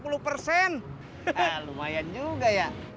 lumayan juga ya